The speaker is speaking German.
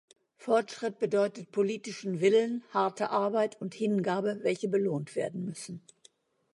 Fortschritt bedeutet politischen Willen, harte Arbeit und Hingabe, welche belohnt werden müssen.